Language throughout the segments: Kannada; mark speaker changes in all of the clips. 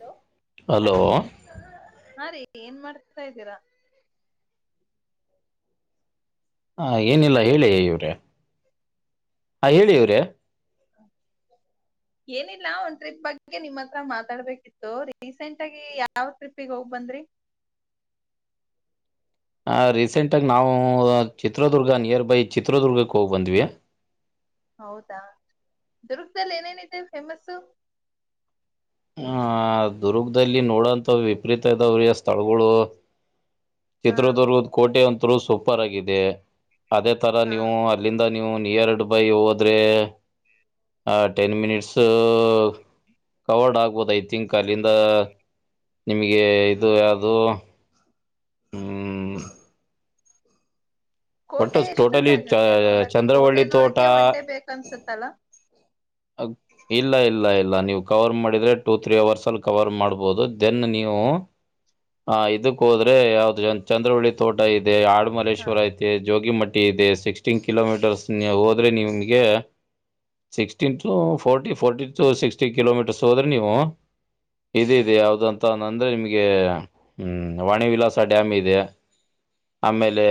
Speaker 1: ಹಲೋ
Speaker 2: ಹಲೋ
Speaker 1: ಹಾ ರೀ ಏನ್ ಮಾಡ್ತತಾ ಇದ್ದೀರಾ.
Speaker 2: ಹಾ ಏನಿಲ್ಲ ಹೇಳಿ ಇವ್ರೆ. ಹಾ ಹೇಳಿ ಇವ್ರೆ.
Speaker 1: ಏನಿಲ್ಲ ಒಂದ್ ಟ್ರಿಪ್ ಬಗ್ಗೆ ನಿಮ್ಮ ಹತ್ರ ಮಾತಾಡ್ಬೇಕಿತ್ತು ರೀಸೆಂಟ್ ಆಗಿ ಯಾವ ಟ್ರಿಪ್ಗೆ ಹೋಗ್ ಬಂದ್ರಿ.
Speaker 2: ಆ ರೀಸೆಂಟಾಗಿ ನಾವು ಚಿತ್ರದುರ್ಗ ನಿಯರ್ ಬೈ ಚಿತ್ರದುರ್ಗಕ್ಕೆ ಹೋಗ್ ಬಂದ್ವಿ.
Speaker 1: ಹೌದಾ ದುರ್ಗದಲ್ಲಿ ಏನೇನಿದೆ ಫೇಮಸ್ಸು.
Speaker 2: ಹ ದುರ್ಗದಲ್ಲಿ ನೋಡಂತ ವಿಪರೀತ ಇದಾವ್ರಿ ಸ್ಥಳಗಳು.
Speaker 1: ಹಾ
Speaker 2: ಚಿತ್ರದುರ್ಗದ ಕೋಟೆ ಅಂತ್ ಸೂಪರ್ ಆಗಿದೆ. ಅದೇ ತರ
Speaker 1: ಹಾ
Speaker 2: ನೀವು ಅಲ್ಲಿಂದ. ನೀವು ನಿಯರ್ ಬೈ ಹೋದ್ರೆ ಆ ಟೆನ್ ಮಿನಿಟ್ಸ್ ಕವರ್ಡ್ ಆಗ್ಬೋದು ಐ ತಿಥಂಕ್ ಅಲ್ಲಿಂದ ನಿಮ್ಗೆ ಇದು ಯಾವ್ದು. ಹ್ಮ್
Speaker 1: ಕೋಟೆ
Speaker 2: ಟೋಟಲಿ
Speaker 1: ಎಷ್ಟೊತ್ತಾಗುತ್ತೆ ನೋಡಕೆ ಕೋಟೆ
Speaker 2: ಚಂದ್ರವಳ್ಳಿ ತೋಟ
Speaker 1: ನೋಡಕೆ ಒನ್ ಡೇ ಬೇಕ ಅನ್ಸತ್ತಲ್ಲ.
Speaker 2: ಇಲ್ಲ ಇಲ್ಲ ಇಲ್ಲ ನೀವು ಕವರ್ ಮಾಡಿದ್ರೆ ಟೂ ತ್ರೀ ಅವರ್ಸ್ ಅಲ್ಲಿ ಕವರ್ ಮಾಡ್ಬೋದು ದೆನ್ ನೀವು ಆ ಇದಕ್ಕೆ ಹೋದ್ರೆ ಯಾವ್ದು ಚಂದ್ರವಳ್ಳಿ ತೋಟ ಇ ಇದೆ
Speaker 1: ಹಾ
Speaker 2: ಆಡುಮಲ್ಲೇಶ್ವರ ಐತೆ. ಜೋಗಿ ಮಟ್ಟಿ ಇದೆ ಸಿಕ್ಸ್ಟೀನ್ ಕಿಲೋಮೀಟರ್ಸ್ ಹೋದ್ರೆ ನಿಮಗೆ ಸಿಕ್ ನ್ ಟ ಫಟಿ ಫರ್ಟಿ ಟು ಸಿಕ್ಸ್ಟಿ ಕಿಲೋಮೀಟರ್ಸ್ ಹೋದ್ರೆ ನೀವು ಇದ ಇದೆ ಯಾವ್ದಂತ ಅಂದ್ರೆ ನಿಮಗೆ ವಾಣಿ ವಿಲಾಸ ಡ್ಯಾಮ್ ಇದೆ ಆಮೇಲೆ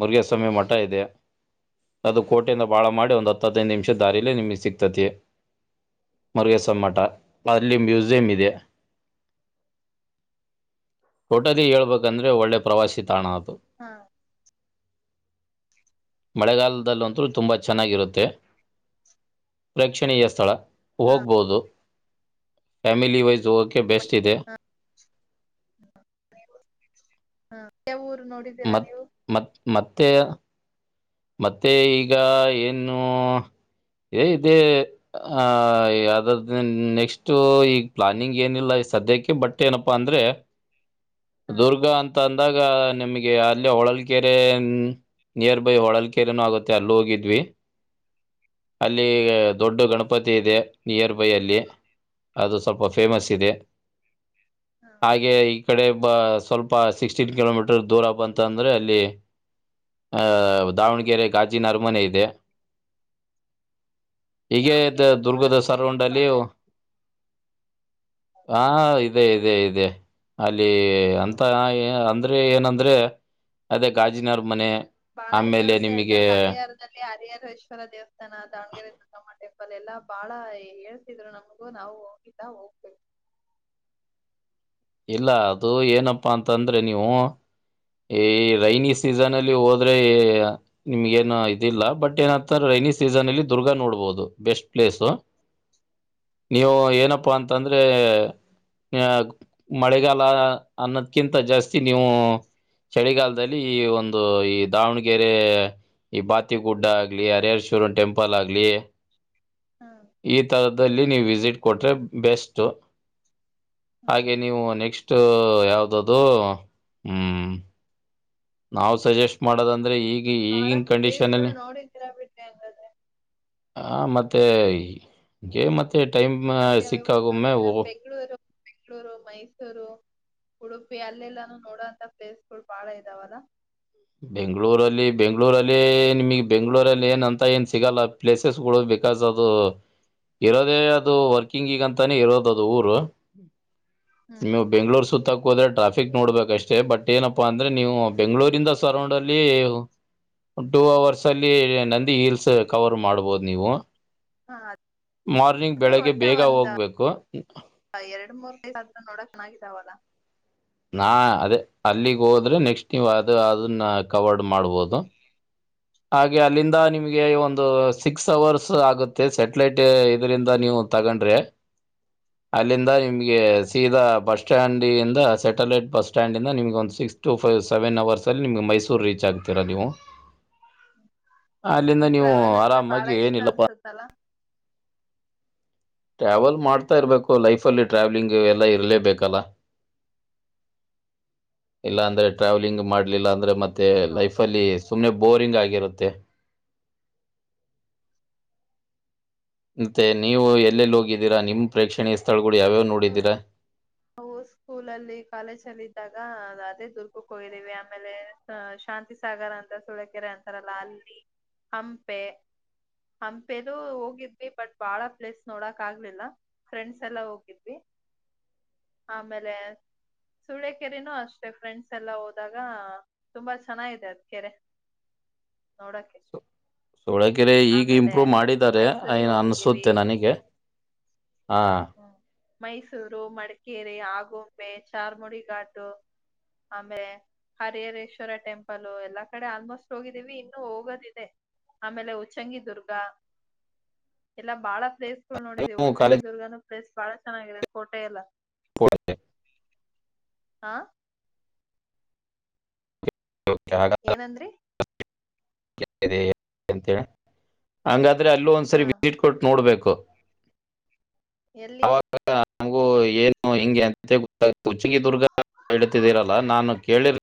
Speaker 2: ಮುರುಗೇಶಸ್ವಾಮಿ ಮಠ ಇದೆ ಅದು ಕೋಟೆಯಿಂದ ಬಾಳ ಮಾಡಿ ಒಂದು ಹತ್ತದೈದು ನಿಮಿಷ ದಾರಲೆ ನಿಮಗೆ ಸಿ ಮುರುಗಸ ಮಠ ಅಲ್ಲಿ ಮ್ಯೂಸಿಯಂ ಇದೆ ಒಟ್ಟದಿ ಹೇಳ್ಬೇಕಂದ್ರೆ ಒಳ್ಳೆ ಪ್ರವಾಸಿ ತಾಣ ಆತದೆ.
Speaker 1: ಹಾ
Speaker 2: ಮಳೆಗಾಲದಲ್ಲಂತೂ ತುಂಬಾ ಚೆನ್ನಾಗಿರುತ್ತೆ. ಪ್ರೇಕ್ಷಣೀಯ ಸ್ಥಳ.
Speaker 1: ಹಾ
Speaker 2: ಹೋಗ್ಬೋದು ಫ್ಯಾಮಿಲಿ ವೈಸ್ ಹೋಗೋಕೆ ಬೆಸ್ಟ್ ಇದೆ.
Speaker 1: ಹಾ [unintelligible]
Speaker 2: ಮತ್
Speaker 1: ನೀವು
Speaker 2: ಮತ್ ಮತ್ ಮತ್ತೆ ಮತ್ತೆ ಈಗ ಏನು ಇದೇ ಹ ಅದ ನೆಕ್ಟ್ ಈಗ ಪ್ಲಾನಿಂಗ್ ಏನಿಲ್ಲ ಸದ್ಯಕ್ಕೆ ಬಟ್ ಏನಪ್ಪಾ ಅಂದ್ರೆ.
Speaker 1: ಹಾ
Speaker 2: ದುರ್ಗಾ ಅಂತ ಅಂದ್ ನಿಮಗೆ ಅಲ್ಲಿ ಹೊಳಲ್ಕೆರೆ ನಿಯರ್ ಬೈ ಹೊಳಲ್ ಕೆರೆನು ಆಗುತ್ತೆ ಅಲ್ ಹೋಗಿದ್ವಿ. ಅಲ್ಲಿ
Speaker 1: ಹಾ
Speaker 2: ದೊಡ್ಡ ಗಣಪ ಪತಿ ಇದೆ ನಿಯರ್ಬೈ ಅಲ್ಲಿ. ಅದು ಸ್ವಲ್ಪ ಫೇಮಸ್
Speaker 1: ಹ್ಮ್
Speaker 2: ಇದೆ
Speaker 1: ಹಾ
Speaker 2: ಹಾಗೆ ಈ. ಕಡೆ ಸ್ವಲ್ಪ ಸಿಕ್ಸ್ಟೀನ್ ಕಿಲೋಮೀಟರ್ ದೂರ ಬಂತ ಅಂದ್ರೆ ಅಲ್ಲಿ ಅ ದಾವಣಗ ಗಾಜಿನರಮನೆ ಇದೆ. ಹೀಗ ಇ
Speaker 1: ದಾವಣಗೆರೆ
Speaker 2: ದುರ್ಗದ
Speaker 1: ನೋಡೋಣ ಪ್ಲೇಸ್
Speaker 2: ಸರಂಡಲ್ಲಿ
Speaker 1: ಬಾಳ
Speaker 2: [unintelligible] ಹಾ ಇದೆ ಇದೆ ಇದೆ ಇದೆ ಅಲ್ಲಿ ಅಂತ ಅಂದ್ರೆ ಏನಂದ್ರೆ ಅದೇ ಗಾಜಿನಾರ ಮನೆ.
Speaker 1: ಬಾಳ ಇದಾವನ್ ಹೇಳ್ದ ಹರಿಹರದಲ್ಲಿ ಹರಿಹರೇಶ್ವರ ದೇವಸ್ಥಾನ ದಾವಣಗೆರೆ ದದುಗಮ್ಮಟ್ಟ. ಪಲ್ಲ ಎಲ್ಲಾ ಬಾಳ ಹೇಳ್ತಿದ್ರು ನಮ್ಗೂ ನಾವು ಹೋಗಿಲ್ಲಾ ಹೋಗ್ಬೇಕು.
Speaker 2: ಇಲ್ಲ ಅದು ಏನಪ್ಪಾ ಅಂತಂದ್ರೆ ನೀವು. ಹೇ ರೈನಿ ಸೀಸನ್ ಅಲ್ಲಿ ಹೋದ್ರೆ ನಿಮ್ಗ ಏನು ಇದಿಲ್ಲ ಬಟ್ ಏನಂತಾರೆ ರೈನಿ ಸೀಸನ್ ಅಲ್ಲಿ ದುರ್ಗಾ ನೋಡ್ಬಹುದು ಬೆಸ್ಟ್ ಪ್ಲೇಸು ನೀವು ಏನಪ್ಪಾ ಅಂತಂದ್ರೆ ಮಳೆಗಾಲ ಅನ್ನೋದ್ಕಿಂತ ಜಾಸ್ತಿ ನೀವು. ಚಳಿಗಾಲದಲ್ಲಿ ಈ ಒಂದು ಈ ದಾವಣಗೆರೆ ಈ ಬಾತಿಗುಡ್ಡ ಆಗ್ಲಿ ಹರಹೇಶ್ವರನ್ ಟೆಂಪಲ್ ಆಗ್ಲಿ.
Speaker 1: ಹ್ಮ್
Speaker 2: ಈತ ನೀವು ವಿಸಿಟ್ ಕೊಟ್ರೆ ಬೆಸ್ಟ್.
Speaker 1: ಹ್ಮ್
Speaker 2: ಹಾಗೆ ನೀವು ನೆಕ್ಸ್ಟ್. ಅಷ್ಟ ಯಾವ್ದದು ಹ್ಮ್ ನಾವ್ ಸಜೆಸ್ಟ್ ಮಾಡದಂದ್ರೆ ಈಗ್ ಈ
Speaker 1: ಬಾಳ
Speaker 2: ಈಗಿನ
Speaker 1: ಪ್ಲೇಸ್
Speaker 2: ಕಂಡೀಷನ್
Speaker 1: ಗಳು
Speaker 2: ಅಲ್ಲಿ
Speaker 1: ನೋಡಿದೀರಾ ಬಿಡ್ರಿ ಹಂಗಾದ್ರೆ
Speaker 2: ಆ ಮತ್ತೆ. ಗೆ ಮತ್ತೆ. ಟೈಮ
Speaker 1: ಮತ್ತೆ ಯಾವ್ಯಾವ
Speaker 2: ಸಿಕ್ಕ
Speaker 1: ಊರ್
Speaker 2: ಒಮ್ಮೆ
Speaker 1: ನೋಡಿದೀರಾ
Speaker 2: ಹೋಗ್ಬೇಕು.
Speaker 1: ಬೆಂಗಳೂರು ಬೆಂಗಳೂರು ಮೈಸೂರು ಉಡುಪಿ ಅಲ್ಲೆಲ್ಲಾನು ನೋಡೋಂತ ಪ್ಲೇಸ್ಗಳು ಬಾಳ ಇದಾವಲ್ಲ
Speaker 2: ಬೆಂಗ್ಳೂರಲ್ಲಿ ಬೆಂಗ್ಳೂರಲ್ಲಿ ನಿಮಗ್ ಬೆಂಗ್ಳೂರಲ್ಲಿ ಏನಂತ ಏನ್ ಸಿಗಲ್ಲ ಪ್ಲೇಸಸ್ಗಳು ಬಿಕಾಸ್ ಅದು ಇರೋದೇ ಅದು ವರ್ಕಿಂಗ್ಗ ಅಂತಾನೇ ಇರೋದು ಅದು ಊರು.
Speaker 1: ಹ್ಮ್
Speaker 2: ನೀವು ಬೆಂಗಳೂರು ಸುತ್ತ ಹೋದ್ರೆ ಟ್ರಾಫಿಕ್ ನೋಡ್ಬೇಕಷ್ಟೇ ಬಟ್ ಏನಪ್ಪಾ ಅಂದ್ರೆ ನೀವು ಬೆಂಗಳೂರಿಂದ. ಸರೌಂಡ್ ಅಲ್ಲಿ ಟು ಅವರ್ಸ್ ಅಲ್ಲಿ ನಂದಿ ಹೀಲ್ಸ್ ಕವರ್ ಮಾಡ್ಬೋದು ನೀವು.
Speaker 1: ಹಾ
Speaker 2: ಮಾರ್ನಿಂಗ್
Speaker 1: ಅದೇ
Speaker 2: ಬೆಳಗ್ಗೆ
Speaker 1: ಒಟ್ಟ
Speaker 2: ಬೇಗ
Speaker 1: ಒಂದ
Speaker 2: ಹೋಗ್ಬೇಕು
Speaker 1: ಎರಡು ಮೂರ್ ನೋಡಕ್. ಚೆನ್ನಾಗಿದಾವಲ್ಲ.
Speaker 2: ನಾ ಅದೇ ಅಲ್ಲಿಗ್ ಹೋದ್ರೆ ನೆಕ್ಸ್ಟ್ ನೀವು ಅದು ಅದನ್ನ ಕವರ್ಡ್ ಮಾಡ್ಬೋದು. ಹಾಗೆ ಅಲ್ಲಿಂದ ನಿಮಗೆ ಒಂದು ಸಿಕ್ಸ್ ಅವರ್ಸ್ ಆಗುತ್ತೆ ಸ್ಯಾಟಲೈಟ್. ಇದರಿಂದ ನೀವು ತಗೊಂಡ್ರೆ. ಅಲಿಂದ್. ನಿಮಗೆ
Speaker 1: ಹ
Speaker 2: ಸೀದಾ ಭಷ. ಸ್ಟ್ಯಾಂಡ್ ಇಂದ ಸ್ಯಾಟಲೈಟ್ ಬಸ್ ಸ್ಟ್ಯಾಂಡ್ ಇಂದ ನಿಮ್ಗೆ ಒಂದು six to five seven hours ಅಲ್ಲಿ ನಿಮ್ಗೆ ಮೈಸೂರು ರೀಚ್ ಆಗ್ತೀರ ನೀವು. ಅಲ್ಲಿಂದ
Speaker 1: ನಿಮಗ್
Speaker 2: ನೀವು
Speaker 1: ಟ್ರಾವೆಲ್ ಅಂದ್ರೆ ಬಾಳ
Speaker 2: ಆರಾಮಾಗಿ
Speaker 1: ಇಷ್ಟ
Speaker 2: ಏನಿಲ್ಲಪ್ಪ
Speaker 1: ಅನ್ಸುತ್ತಲ್ಲಾ.
Speaker 2: ಟ್ರಾವೆಲ್ ಮಾಡ್ತಾ ಇರ್ಬೇಕು ಲೈಫ್ ಅಲ್ಲಿ ಟ್ರಾವ್ಲಿಂಗ್ ಎಲ್ಲ ಇರಲೇಬೇಕಲ್ಲ ಇಲ್ಲ ಅಂದ್ರೆ ಟ್ರಾವ್ಲಿಂಗ್ ಮಾಡ. ಇಲ್ಲ ಅಂದ್ರೆ
Speaker 1: ಹ್ಮ್
Speaker 2: ಮತ್ತೆ ಲೈಫ್ ಅಲ್ಲಿ
Speaker 1: ಹೌದೌದು
Speaker 2: ಸುಮ್ಮ್ನೆ. ಬೋರಿಂಗ್ ಆಗಿರುತ್ತೆ. ಮತ್ತೆ ನೀವು ಎಲ್ಲೆಲ್ಲಿ ಹೋಗಿದ್ದೀರಾ ನಿಮ್ ಪ್ರೇಕ್ಷಣೀಯ ಸ್ಥಳ.
Speaker 1: ಹ ಹ ಸ್ಕೂಲ ಅಲ್ಲಿ ಕಾಲೇಜ್ ಅಲ್ಲಿ ಇದ. ಅದೇ ದುರ್ಕಕ್ ಹೋಗಿದೀವಿ ಆಮೇಲೆ ಶಾಂತಿಸಾಗರ್ ಅಂತ ಸುಳಕೆರೆ ಅಂತಾರಲ್ಲ ಅಲ್ಲಿ ಹಂಪೆ ಹಂಪೆದು ಹೋಗಿದ್ವಿ ಬಟ್ ಬಾಳ ಪ್ಲೇಸ್ ನೋಡಕ್ ಆಗ್ಲಿಲ್ಲ ಫ್ರೆಂಡ್ಸ್ ಎಲ್ಲ ಹೋಗಿದ್ವಿ. ಆಮೇಲೆ ಸೂಳಕೆರೆನೂ ಅಷ್ಟೆ ಫ್ರೆಂಡ್ಸ್ ಎಲ್ಲ ಹೋದಾಗ ತುಂಬಾ ಚೆನ್ನಾಗಿದೆ ಅದ್ ಕೆರೆ ನೋಡಕೆ.
Speaker 2: ಸೊಳಕರೆ ಈಗ ಇಂಪ್ರೂವ್ ಮಾಡಿದ್ದಾರೆ
Speaker 1: ಮೈಸೂರಿಗೆ
Speaker 2: ನ್ ಅನ್ಸುತ್ತೆ ನನಗೆ. ಹಾಂ
Speaker 1: ಹ್ಮ ಮೈಸೂರು ಮಡಕೆ. ಇಕ್ಕೆರಿ ಆಗುಂಬೆ ಚಾರ್ಮುಡಿ ಘಾಟು ಆಮೇಲೆ ಹರಿಹರೇಶ್ವರ ಟೆಂಪಲ್ ಎಲ್ಲಾ ಕಡೆ ಆಲ್ಮೋಸ್ಟ್ ಹೋಗಿದ್ದೀವಿ ಇನ್ನುೂ ಹೋಗೋದಿದೆ ಆಮೇಲೆ ಉಚ್ಚಂಗಿಿದದುರ್ಗ ಎಲ್ಲಾ ಬಾಳ ಪ್ಲೇಸ್. ನೋಡಿಧೇವ್ ಉಚ್ಚಂಗಿಧುರ್ಗನು. ಪ್ಲೇಸ್ ಬಾಳ ಚೆನ್ನಾಗಿದೆ ಕೋಟೆ ಎಲ್ಲ.
Speaker 2: ಕೊಳತೆೆ. [unintelligible]
Speaker 1: ಹಾ.
Speaker 2: ಚಗ.
Speaker 1: ಏನಂದ್ರಿ
Speaker 2: [unintelligible] ಕೇಳಿದ ಏನ್ ಅಂತೇಳ ಹಂಗರ್. ಇದ್ರೆ ಅಲ್ಲೂ
Speaker 1: ಹಾ
Speaker 2: ಒಂದ್ಸರಿ ವಿಸಿಟ್ ಕೊಟ್ಟು ನೋಡ್ಬೇಕು. ಅ
Speaker 1: ಎಲ್ಲಿ
Speaker 2: ಅವಾಗ ನಂಗು ಏನು ಹಿಂಗೆ ಅಂತೆ ಗೊತ್ತ [unintelligible] ಹೇಳ್ತಿದ್ರಲ ನಾನು ಕೇಳಿರ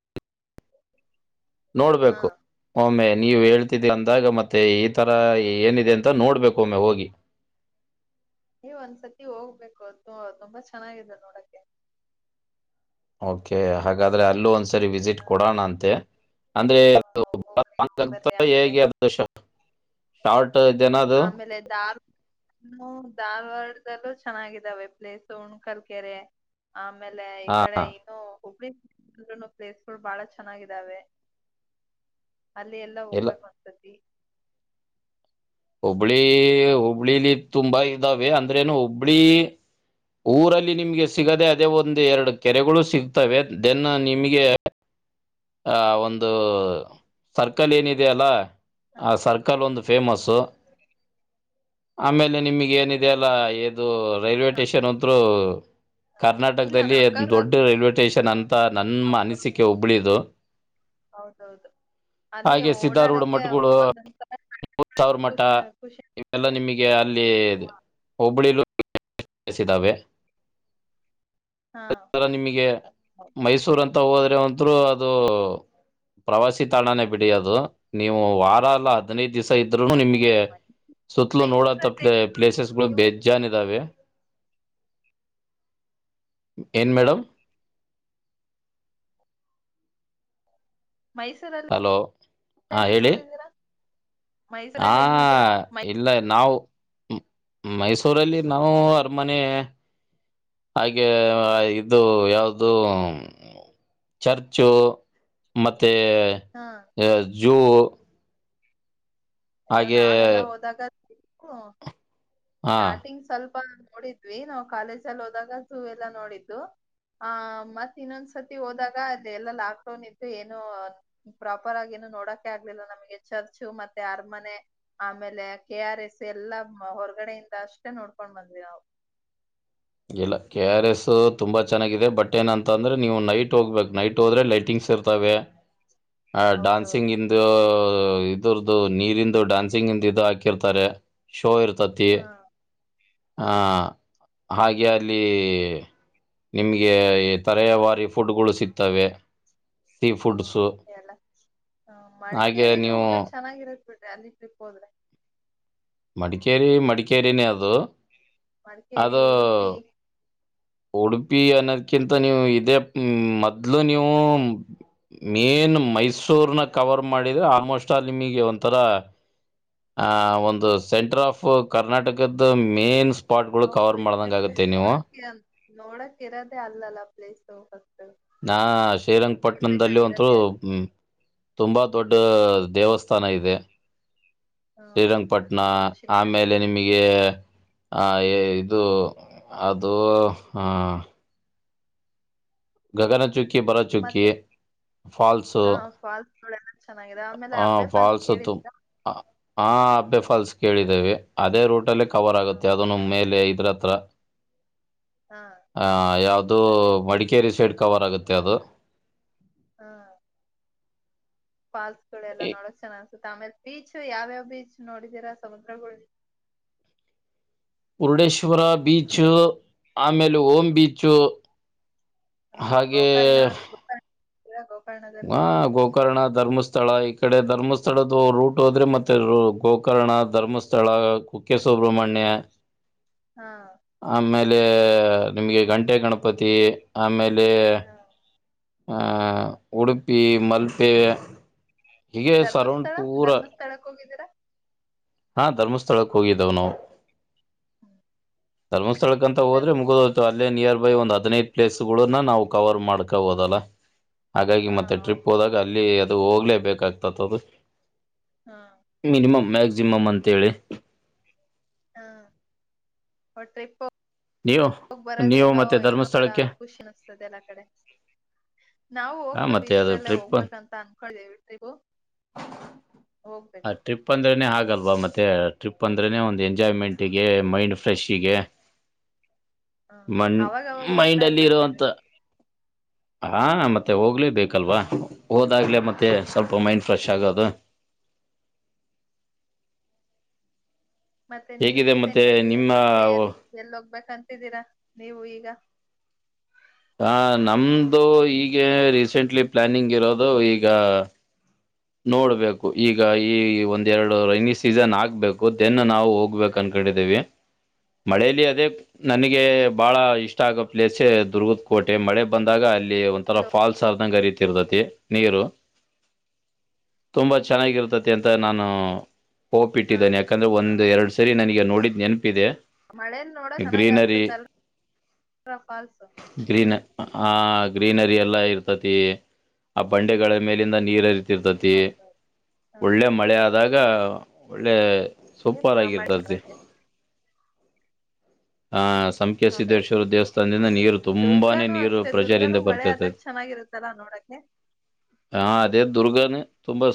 Speaker 1: ಹಾ
Speaker 2: ನೋಡ್ಬೇಕು ಒಮ್ಮೆ ನೀವೇಳ್ದ್- ತ್ತಿ ಅಂದಾಗ ಮತ್ತೆ ಇ ತರ ಏನಿದೆ ಅಂತ ನೋಡ್ಬೇಕು ಒಮ್ಮೆ ಹೋಗಿ.
Speaker 1: ನೀವ್ ಒಂದ್ಸತಿ ಹೋಗ್ಬೇಕು ತು ತುಂಬಾ ಚೆನ್ನಾಗಾಗಿದೆ ನೋಡಕ್ಕೆ.
Speaker 2: ಓಕೆ ಹಾಗಾದ್ರೆ ಅಲ್ಲೂ ಒಂದಸ ಸರಿ ವಿಸಿಟ್
Speaker 1: ಹ
Speaker 2: ಕೊಡೋಣ ಅಂತೆ ಅಂದ್ರೆ
Speaker 1: ಹೋಗ್ರಿ ಹೋಗ್ ಬರ್ರಿ ಆಮೇಲೆ
Speaker 2: [unintelligible] ತಾಡ್
Speaker 1: ಆಮೇಲೆ [unintelligible] [unintelligible] ಚೆನ್ನಾಗಿದ್ದಾವೆ ಪ್ಲೇಸ್ ಹುಣಕಲ್ ಕೆೆರೆ ಆಮೇ ಆಮೇಲೆ ಈ ಕಡೆ
Speaker 2: ಹಾ
Speaker 1: ಇನ್ನು ಹುಬ್ಳಿ [unintelligible] ಪ್ಲೇಸ್ಗಳು ಬಾಳ ಚೆನ್ನಾಗಿದ್ದಾವೆ. ಅಲ್ಲಿ ಎಲ್ಲಾ
Speaker 2: ಇಲ್ಲ
Speaker 1: ಹೋಗ್ಬೇಕು ಒಂದ್ಸತಿ.
Speaker 2: ಹುಬ್ಬಳಿ ಹುಬ್ಬಳಿಲಿ ತುಂಬಾ ಇದಾವೆ ಅಂದ್ರೇನು ಹುಬ್ಳಿ ಊರಲ್ಲಿ ನಿಮ್ಗೆ ಸಿಗದೆ ಅದೇ ಒಂದ, ಎರಡ ಕೆರೆಗಳು ಸಿಗ್ತವೆ ದೆನ್ ನಿಮ್ಗೆ ಆ ಒಂದ ಅ ಸರ್ಕಲ್ ಏನಿದೆ ಅಲ್ಲ
Speaker 1: ಹ
Speaker 2: ಆ ಸರ್ಕಲ್ ಒಂದ ಫೇಮಸ್ಸು. ಆಮೇಲೆ ನಿಮ್ಗೆ ಏನಿದೆ ಅಲ್ಲ ಇದು ರೈಲ್ವೆ
Speaker 1: ಹ
Speaker 2: ಟೆಷನ್ ಅಂತ್ರು
Speaker 1: ಹ. ಇಲ್ಲ
Speaker 2: ಕರ್ನಾಟಕದಲ್ಲಿ
Speaker 1: ನಮ್ ಅಕ್ಕವ್ರ
Speaker 2: ದೊಡ್ಡ ರೈಲ್ವೆ ಟೆಷನ್
Speaker 1: ಹ
Speaker 2: ಅಂತ ನಮ್ಮ ಅನಿಸಿಕೆ ಹುಬ್ಳಿದು.
Speaker 1: ಹೌದ್ ಹೌದ್ ಅಲ್ಲಿ
Speaker 2: ಹಾಗೆ ಸಿದ್ಧಾರೂಢ
Speaker 1: ಓಡಾಡಕ್ಕೆ [unintelligible]
Speaker 2: ತ್ತ
Speaker 1: ಖುಷಿ
Speaker 2: ಇವೆಲ್ಲ
Speaker 1: ಅನ್ಸುತ್ತೆ.
Speaker 2: ನಿಮಗೆ ಅಲ್ಲಿ ಹುಬ್ಳಿಲು [unintelligible] ಕಸಿದ್ದಾವೆ.
Speaker 1: ಹಾ
Speaker 2: [unintelligible] ನಿಮಗೆ
Speaker 1: ಹೌದು.
Speaker 2: ಮೈಸೂರ ಅಂತ ಹೋದರೆ [unintelligible] ಅಂತ್ರು ಅದು ಪ್ರವಾಸಿ ತಾಣನೇ ಬಿಡಿ ಅದು ನೀವು ವಾರ ಎಲ್ಲ ಹದಿನೈದು ದಿವಸ ಇದ್ರುನು ಯೇ
Speaker 1: ಅಯ್ಯೋ ಮೈ-
Speaker 2: ಸುತ್ಲು ನೋಡಂತ
Speaker 1: ಮೈಸೂರಲ್ಲಿ
Speaker 2: ಪ್ಲೇ
Speaker 1: ಏನೇನ್ ನೋಡಿದ್ದೀರಾ
Speaker 2: ಪ್ಲೇಸಸ್ಗಳು
Speaker 1: ನೀವು
Speaker 2: ಬೇಜ್ಜಾನ್ ಇದಾವೆ. ಏನ್ ಮೇಡಂ.
Speaker 1: ಮೈಸೂರಲ್ಲಿ
Speaker 2: ಹಲೋ ಹಾ
Speaker 1: ಏನೇನ್
Speaker 2: ಹೇಳಿ
Speaker 1: ನೋಡಿದೀರಾ.
Speaker 2: ಹಾ
Speaker 1: ಮೈಸೂರಲ್ಲಿ ಏನ್ ನೋಡಿದೀರಾ ಮೈ
Speaker 2: ಇಲ್ಲ ನಾವು ಮ್ ಮೈಸೂರಲ್ಲಿ ನಾವು ಅರಮನೆ. ಹಾಗೆ
Speaker 1: ಹ್ಮ್
Speaker 2: ಇದು ಯಾವ್ ಅದು ಚರ್ಚು ಮತ್ ತ್ತೆ
Speaker 1: ಹಾ
Speaker 2: ಯ ಜೂ.
Speaker 1: ಅಯ್ಯೋ
Speaker 2: ಹಾಗೆ
Speaker 1: ನಾವೆಲ್ಲಾ ಹೋದಾಗ. ಕೋ
Speaker 2: ಹಾ
Speaker 1: ಸ್ಟಾರ್ಟಿಂಗ್ ಸ್ವಲ್ ನೋಡಿದ್ವಿ ನಾವು ಕಾಲೇಜ್ ಅಲ್ಲಿ ಹೋದಾಗ ಝೂ ಎಲ್ಲಾ ನೋಡಿದ್ದು ಆ ಮತ್ತ ಇನ್ನೊಂದ್ಸತಿ ಹೋದಾಗ ಅಲ್ಲಿ ಎಲ್ಲಾ ಲಾಕ್ಡೌನ್ ಇತ್ತು ಏನು ಪ್ರಾಪರ್ ಆಗ ಏನು ನೋಡಕೆ ಆಗ್ಲಿಲ್ಲ ನಮ್ಗೆ ಚರ್ಚು ಮತ್ ಮತ್ತೆ ಅರಮನೆ ಆಮೇಲೆ ಕೆ ಆರ್ ಎಸ್ ಎಲ್ಲಾ ಹೊರಗಡೆಯಿಂದ ಅಷ್ಟೇ ನೋಡ್ಕೊಂಡ್ ಬಂದ್ವಿ ನಾವು.
Speaker 2: ಇಲ್ಲ ಕೆ ಆರ್ ಎಸ್ ತುಂಬಾ ಚೆನ್ನಾಗಿದೆ ಬಟ್ ಏನಂತ ಅಂದ್ರೆ ನೀವು ನೈಟ್ ಹೋಗ್ಬೇಕು ನೈಟ್ ಹೋದ್ರೆ ಲೈಟಿಂಗ್ಸ್ ಇರ್ತವೆ. ಆ
Speaker 1: ಹೌದೌದು
Speaker 2: ಡಾನ್ಸಿಂಗಿಂದೂ ಇದುರ್ದು ನೀರಿಂದು ಡಾನ್ಸಿಂಗಿಂದ್ ಇದು ಹಾಕಿರ್ತಾರೆ. ಶೋ ಇರ್ತತಿ
Speaker 1: ಹಾ ಹಾ
Speaker 2: ಆ. ಹಾಗೆ ಅಲ್ಲಿ ನಿಮ್ಗೆ ತರೆಯವಾರಿ ಫುಡ್ಗಳು ಸಿಗ್ತವೆ. ಸೀ
Speaker 1: ಹಾ
Speaker 2: ಫುಡ್ಸು
Speaker 1: ಎಲ್ಲ
Speaker 2: ಹಾಗೆ ನೀವು.
Speaker 1: ಅಲ್ಲಿಗ್ ಟ್ರಿಪ್ ಹೋದ್ರೆ.
Speaker 2: ಮಡಿಕೇರಿ ಮಡಿಕೇರಿನೇ ಅದು.
Speaker 1: ಮಡಕೇರಿ
Speaker 2: ಅದು
Speaker 1: ಉಡುಪಿ.
Speaker 2: ಉಡುಪಿ ಅನ್ನೋದ್ಕಿಂತ ನೀವು ಇದೇ ಮೊದ್ಲು ನೀವು ಮೇನ್ ಮೈಸೂರ್ನ ಕವರ್ ಮಾಡಿದ್ರೆ ಆಲ್ಮೋಸ್ಟ್ ಆಲ್ ನಿಮಗೆ ಒಂಥರ. ಆ ಒಂದು
Speaker 1: ಹೌದು
Speaker 2: ಸೆಂಟರ್ ಆಫ್ ಕರ್ನಾಟಕದ ಮೇನ್ಸ್ ಸ್ಪಾಟ್ಗುಳು
Speaker 1: ಹೌದು
Speaker 2: ಕವರ್ ಮಾಡ್ದಂಗ್
Speaker 1: ಯಾಕಂದ್ರೆ
Speaker 2: ಆಗತ್ತೆ ನೀವು.
Speaker 1: ನೋಡಕ್ಕೆ ನೋಡಕ್ ಇರೋದೆ ಅಲ್ಲಲ್ಲ ಪ್ಲೇಸ್ ಫಸ್
Speaker 2: ನಾ ಶ್ರೀರಂಗಪಟ್ಟಣ್ದಲ್ಲಿ ಅಂತೂ
Speaker 1: ನೋಡ್ಬೇಕಾಗಿರೋದೇ ಅಲ್ಲಿ
Speaker 2: ತುಂಬಾ ದೊಡ್ಡ ದೇವಸ್ಥಾನ ಇದೆ.
Speaker 1: ಹಾ
Speaker 2: ಶ್ರೀರಂಗಪಟ್ಣ
Speaker 1: ಹೌದು ಶ್ರೀರಾಮ
Speaker 2: ಆಮೇಲೆ ನಿಮಿಗೆ ಆ ಏ ಇದು ಅದು ಹಾ. ಗಗನ ಚುಕ್ ಕ್ಕಿ ಬರ ಚುಕ್ಕಿ
Speaker 1: ಮತ್ತೆ
Speaker 2: ಫಾಲ್ಸು.
Speaker 1: ಹೊಳೆ ನ ಚೆನಾಗಿದೆ ಆಮೇಲೆ
Speaker 2: ಆ
Speaker 1: ಅಬ್ಬೆ ಫಾಲ್ಸ್
Speaker 2: ತುಮ್
Speaker 1: ಕೇಳಿದಿರಾ.
Speaker 2: ಆ ಆ ಹಬ್ಬೆ ಫಾಲ್ಸ್ ಕೇಳಿದ್ದೇವೆ ಅದೇ ರೂಟಲ್ಲಿ. ಕವರ್ ಆಗುತ್ತೆ ಅದನ್ನು ಮೇಲೆ. ಅತ್ರತ್ರ.
Speaker 1: ಹಾ
Speaker 2: ಹ ಯಾವ್ದು
Speaker 1: ಅದೇ
Speaker 2: ಮಡಿಕೇರಿ ಸೈಡ್. ಕವರ್ ಆಗುತ್ತೆ ಅದು.
Speaker 1: ಹಾ. ಪಾಲ್ಸ್ ಗಳು ಎಲ್ಲ
Speaker 2: ಈ
Speaker 1: ನೋಡಕ್ ಚೆನ್ನ ತ್ತ ಆಮೇಲೆ ಬೀಚ್ ಯಾವ್ಯಾವ ಬೀಚ್ ನೋಡಿದೀರಾ ಸಮುದ್ರಗಳ್.
Speaker 2: ಮುರುಡೇಶ್ವರ ಬೀಚು ಆಮೇಲೆ ಓಂ ಬೀಚು.
Speaker 1: ಹಾ
Speaker 2: ಹಾಗೆ.
Speaker 1: ಗೋಕರ್ಣ [unintelligible]
Speaker 2: [unintelligible] ಗೋಕರ್ಣ ಧರ್ಮಸ್ಥಳ ಈ ಕಡೆ ಧರ್ಮಸ್ಥಳದ ರೂಟ್ ಹೋದ್ರೆ ಮತ್ತೆ ಗೋಕರ್ಣ ಧರ್ಮಸ್ಥಳ ಕುಕ್ಕೆ ಸುಬ್ರಹ್ಮಣ್ಯ.
Speaker 1: ಹಾ
Speaker 2: ಆಮೇಲೆ ನಿಮ್ಗೆ ಗಂಟೆ ಗಣಪ. ಪತಿ ಆಮೇಲೆ. ಅಲ್ಲಿ.
Speaker 1: ಹಾ
Speaker 2: ಆ ಉಡುಪಿ ಮಲ್ಪೇ.
Speaker 1: ಧರ್ಮಸ್ಥಳ ಧರ್ಮಸ್ಥಳಕ್ ಹೋಗಿದ್ದೀರಾ.
Speaker 2: ಹಾ ಧರ್ಮಸ್ಥಳಕ್ಕೆ ಹೋಗಿದ್ದಾವ ನಾವು. ಧರ್ಮಸ್. ಸ್ಥಳಕ್ ಅಂತ ಹದ್ರೆ
Speaker 1: ಧರ್ಮ
Speaker 2: ಮುಗುದೋಯ್ತು ಅಲ್ಲೇ ನಿಯರ್. ಒಂದ್ ಹದಿನೈದು ಪ್ಲೇಸ್ ನ್ನ ನಾವು ಕವರ್ ಮಾಡ್ಕ ಹೋದಲ್ಲ. ಹಾಗಾಗಿ
Speaker 1: ಹಾ
Speaker 2: ಮತ್ತೆ ಟ್ರಿಪ್
Speaker 1: ಹೌದೌದು
Speaker 2: ಹೋದಾಗ ಅಲ್ಲಿ ಅದು ಹೋಗ. ಆಗ್ಲೇ ಬೇಕಾಗ್ತತ ಅದು.
Speaker 1: ಹಾ
Speaker 2: ಮಿನಿಮಂ ಮ್ಯಾಕ್ಸಿಮಮ್ ಅಂತೇಳಿ.
Speaker 1: ಹಾ ಟ್ರಿಪ್ಪ.
Speaker 2: ನೀವು
Speaker 1: ಹೋಗ್ ಬರೋದ
Speaker 2: ನೀವು
Speaker 1: ಎಲ್ಲೋ
Speaker 2: ಮತ್ತೆ
Speaker 1: ಏನೋ ತರ
Speaker 2: ಧರ್ಮಸ್ಥಳಕ್ಕೆ
Speaker 1: ಖುಷಿ ಅನಿಸ್ತದೆ ಎಲ್ಲ ಕಡೆ. ನಾವು
Speaker 2: ಹಾ
Speaker 1: ಹೋಗ್ಬೇಕು
Speaker 2: ಮತ್ತೆ ಅದು
Speaker 1: ಇಷ್ಟ್ರಲ್ಲೇ
Speaker 2: ಟ್ರಿಪ್
Speaker 1: ಹೋಗ್ಬೇಕಂತ ಅನ್ಕಳ್ ಎಲ್ರಿಗೂ
Speaker 2: ಆ
Speaker 1: ಹೋಗ್ಬೇಕು.
Speaker 2: ಟ್ರಿಪ್ ಅಂದ್ರನೇ ಹಾಗಲ್ವಾ ಮತ್ತೆ ಟ್ರಿಪ್ ಅಂದ್ರೆನನೆ ಒಂದು ಎಂಜಾಯ್ಮೆಂಟ್ಗೆ ಮೈಂಡ್ ಫ್ರೆಶ್ಗೆ.
Speaker 1: ಹ್ಮ
Speaker 2: ಮಣ್
Speaker 1: ಅವಾಗವಾಗ ಹೋಗ್ತಾ
Speaker 2: ಮೈಂಡಲ್ಲಿ
Speaker 1: ಇರ್ಬೇಕೇಕ್ ಬಿಡ್ರಿ.
Speaker 2: ಇರುವಂತ ಹಾ ಮತ್ತೆ ಹೋಗ್ಲೇ ಬೇಕಲ್ವಾ ಹೋದಾಗ್ಲೆ ಮತ್ತೆ ಸ್ವಲ್ಪ ಮೈಂಡ್ ಫ್ರೆಶ್ ಆಗೋದು.
Speaker 1: ಮತ್ತೆ ನೀವ್
Speaker 2: ಹೇಗಿದೆ ಮತ್ತೆ
Speaker 1: ರೀಸೆಂಟ್ ಆಗಿ
Speaker 2: ನಿಮ್ಮ
Speaker 1: ಮತ್ತೆ ಎಲ್ಲೊಗ್ಬೇಕಂತಿದ್ದೀರಾ? ನೀವು ಈಗ
Speaker 2: ಹ ನಮ್ದು ಈಗೆ ರೀಸೆಂಟ್ಲಿ ಪ್ಲಾನಿಂಗ್ ಇರೋದು ಈಗ ನೋಡ್ಬೇಕು ಈಗ ಈ ಒಂದೆರಡು ರೖನಿ ಸೀಸನಾಗ್ಬೇಕು ದೆನ್ ನಾವು ಹೋಗ್ಬೇಕಂನ್ಕಂಡಿದ್ದೀವಿ. ಮಳೆಲಿ ಅದೇ ನನಗೆ ಬಹಳ ಇಷ್ಟ ಆಗೋ ಪ್ಲೇಸೇ ದುರ್ಗದ್ ಕೋ ಟೆ ಮಳೆ ಬಂದಾಗ ಅಲ್ಲಿ ಒಂತರಾ ಫಾಲ್ಸ್ ಆದಂಗೆ ಹರಿತೈತೆ. ತಿರ್ದತಿ ನೀರು. ತುಂಬಾ ಚೆನ್ನಾಗಿರ್ತತಿ ಅಂತ ನಾನು ಹೋಪ್
Speaker 1: ಹಾ
Speaker 2: ಇಟ್ಟಿದೇನೆ ಯಾಕಂದ್ರೆ
Speaker 1: ಹಾ
Speaker 2: ಒಂದು ಎರಡು ಸರಿ ನನಗೆ ನೋಡಿದ್ದ್ ನೆನ್ಪಿದೆ.
Speaker 1: ಮಳೇಲ್ ನೋಡ ಚೆನ್ನಾಗ್
Speaker 2: ಗ್ರೀನರಿ
Speaker 1: ಅನ್ಸುತ್ತಲ್ರ ಫಾಲ್ಸ್
Speaker 2: ಗ್ರೀನ ಆ. ಗ್ರೀನರಿ ಎಲ್ಲ ಇರ್ತತಿ ಆ ಬಂಡೆಗಳ ಮೇಲಿಂದ ನೀರರಿತ್ ತಿರ್ತತಿ
Speaker 1: ಹೌದೌದು ಹ
Speaker 2: ಒಳ್ಳೆ ಮಳೆ ಆದಾಗ ದ ಒಳ್ಳೆ
Speaker 1: ಏನ್ ಮ- ಮಳೆ
Speaker 2: ಸುಪರ್ಗಿರ್ತ್ದ
Speaker 1: ನೋಡಕ್ಕೆ
Speaker 2: ಹಾ. ಸಂಕೆ
Speaker 1: ಹೌದೌದು
Speaker 2: ಸಿದ್ದೇಶ್ವರ ದೇವಸ್ಥಾನದಿಂದ ನೀರು ತುಂಬಾನೇ
Speaker 1: ದುರ್ಗಾನು
Speaker 2: ನೀರು
Speaker 1: ಅಷ್ಟೇ ದುರ್ಗಾನು
Speaker 2: ಪ್ರೆಜರಿಂದ
Speaker 1: ಮಳೆ ಆದಾಗ
Speaker 2: ಬರ್ತತದೆ
Speaker 1: ಚೆನ್ನಾಗಿರುತ್ತಲ್ಲಾ ನೋಡಕ್ಕೆ
Speaker 2: ಹ ಅದೇ ದುರ್ಗಾನೇ ತುಂಬಾ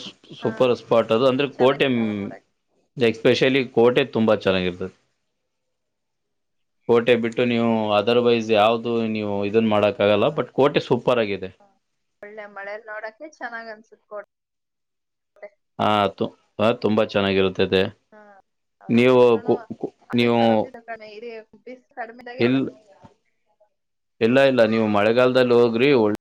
Speaker 1: ಹಾ
Speaker 2: ಸೂಪರ್ ಸ್ಪಾಟ್ ಅದು ಅಂದ್ರೆ ಕೋಟೆ
Speaker 1: ಚೆನ್ನಾಗಿರುತ್ತಾವ ನೋಡಕ್
Speaker 2: ಎಸ್ಪೆಷಲಿ ಕೋಟೆ ತುಂಬಾ ಚೆನ್ನಾಗಿರ್ತದೆ. ಕೋಟೆ ಬಿಟ್ಟು ನೀವು ಅದರ್ವೈಸ್ ಯಾವ್ದು ನೀವು ಇದನ್ನ
Speaker 1: ಹ್ಮ
Speaker 2: ಮಾಡೋಕ್ಕಾಗಲ್ಲ ಬಟ್ ಕೋಟೆ ಸೂಪರ್ ಆಗಿದೆ
Speaker 1: ಒಳ್ಳೆ ಮಳೇಲ್ನೋಡಕೆ ಚೆನ್ನಾಗ್ ಅನ್ಸತ್ ಕೊಟೇ.
Speaker 2: ಹ ತುಂ-ತುಂಬಾ ಚೆನ್ನಾಗಿರುತ್ತೆ.
Speaker 1: ಹಾ ಹೌದು ಅದ್ರುನೂ
Speaker 2: ಕು-
Speaker 1: [unintelligible] ಸರ ಇರಿ ಬಿಸ್ ಕಡಿಮೆದಾಗೆ ನೋಡ
Speaker 2: ಇಲ್ ಇಲ್ಲ ಇಲ್ಲ ನೀವು ಮಳೆಗಾಲದಲ್ಲೋಗ್ ಗ್ರೀ ಒಳ್ಳೇ